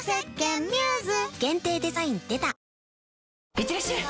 いってらっしゃい！